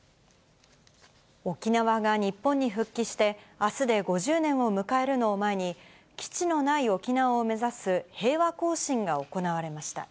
沖縄が日本に復帰して、あすで５０年を迎えるのを前に、基地のない沖縄を目指す平和行進が行われました。